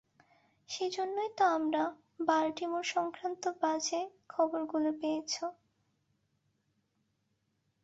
সেইজন্যই তো তোমরা বাল্টিমোর-সংক্রান্ত বাজে খবরগুলো পেয়েছ।